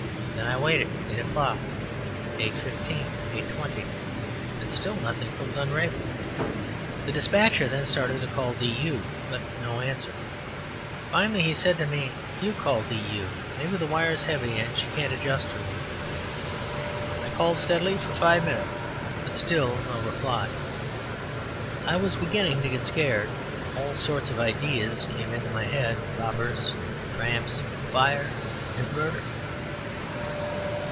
Then I waited. Eight o'clock, eight fifteen, eight twenty, and still nothing from Dunraven. The despatcher then started to call "DU," but no answer. Finally, he said to me, "You call 'DU.' Maybe the wire is heavy and she can't adjust for me." I called steadily for five minutes, but still no reply. I was beginning to get scared. All sorts of ideas came into my head robbers, tramps, fire and murder.